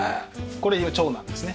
これが長男ですね。